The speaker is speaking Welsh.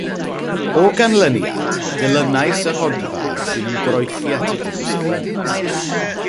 O ganlyniad, dilynais y rhodfa sy'n ymdroelli at y drws ffrynt.